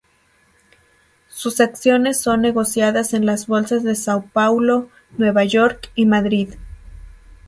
Sus acciones son negociadas en las Bolsas de São Paulo, Nueva York y Madrid.